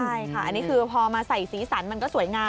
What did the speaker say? ใช่ค่ะอันนี้คือพอมาใส่สีสันมันก็สวยงาม